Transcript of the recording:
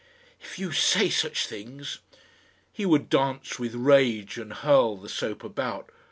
"If you say such things " He would dance with rage and hurl the soap about.